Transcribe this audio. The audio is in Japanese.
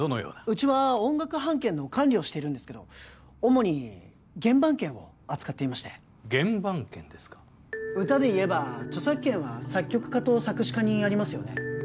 うちは音楽版権の管理をしているんですけど主に原盤権を扱っていまして原盤権ですか歌でいえば著作権は作曲家と作詞家にありますよね